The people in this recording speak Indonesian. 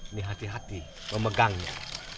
ini hati hati memegangnya